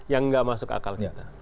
itu kan yang enggak masuk akal kita